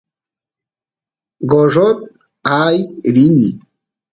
gorrot aay rini